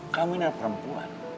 kamu ini adalah perempuan